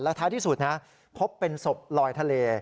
ท้ายที่สุดนะพบเป็นศพลอยทะเล